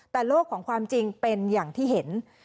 แต่โลกของความจริงเป็นอย่างที่เห็น